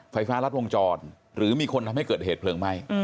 ไฟฟ้ารัดวงจรหรือมีคนทำให้เกิดเหตุเพลิงไหม้